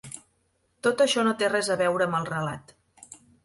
Tot això no té res a veure amb el relat.